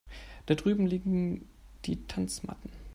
Da drüben liegen die Tanzmatten.